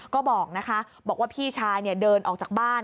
ก็บอกนะคะบอกว่าพี่ชายเดินออกจากบ้าน